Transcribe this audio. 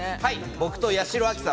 僕と八代亜紀さん